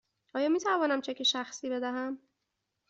آیا می توانم چک شخصی بدهم؟